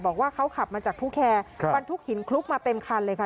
บอกว่าเขาขับมาจากผู้แคร์บรรทุกหินคลุกมาเต็มคันเลยค่ะ